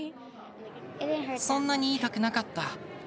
そんなに痛くなかった。